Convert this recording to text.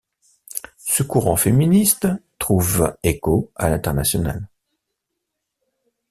Ce courant féministe trouve échos à l'international.